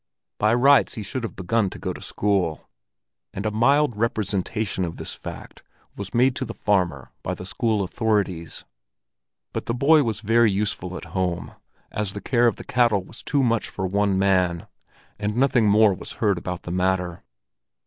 By rights he should have begun to go to school, and a mild representation of this fact was made to the farmer by the school authorities; but the boy was very useful at home, as the care of the cattle was too much for one man; and nothing more was heard about the matter.